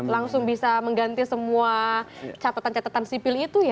langsung bisa mengganti semua catatan catatan sipil itu ya